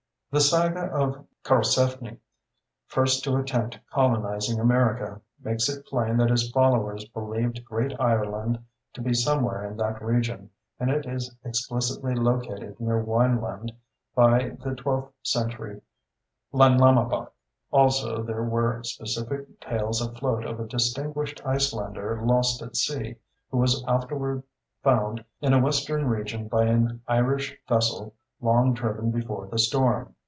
The saga of Thorfinn Karlsefni, first to attempt colonizing America, makes it plain that his followers believed Great Ireland to be somewhere in that region, and it is explicitly located near Wineland by the twelfth century Landnamabok. Also there were specific tales afloat of a distinguished Icelander lost at sea, who was afterward found in a western region by an Irish vessel long driven before the storm.